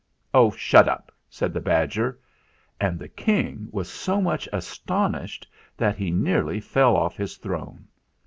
"Oh, shut up!" said the badger, and the King was so much astonished that he nearly fell off his throne.